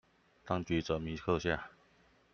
當局者迷克夏